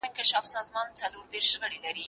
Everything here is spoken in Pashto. که وخت وي چپنه پاکوم